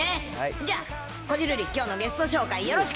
じゃあ、こじるり、きょうのゲスト紹介よろしく。